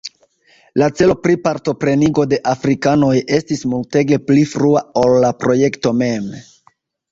La celo pri partoprenigo de afrikanoj estis multege pli frua ol la projekto mem.